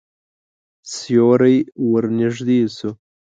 سیوری ورنږدې شو.